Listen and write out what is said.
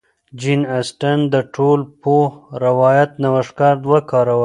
جین اسټن د ټولپوه روایت نوښتګر وکاراوه.